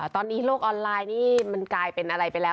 ตอนนี้โลกออนไลน์นี่มันกลายเป็นอะไรไปแล้ว